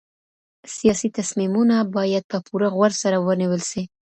سياسي تصميمونه بايد په پوره غور سره ونيول سي.